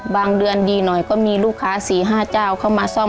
บางเดือนดีหน่อยก็มีลูกค้าสี่ห้าเจ้าเข้ามาซ่อมก็พอใช้จ่ายได้บ้าง